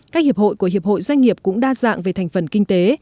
các hiệp hội của hiệp hội doanh nghiệp cũng đa dạng về thành phần kinh tế